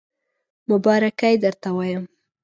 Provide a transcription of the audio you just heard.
مبارکی درته وایم